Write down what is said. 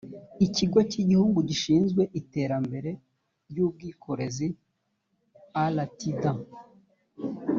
ikigo cy igihugu gishinzwe iterambere ry ubwikorezi rtda